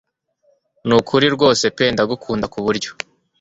nukuri rwose pe ndagukunda kuburyo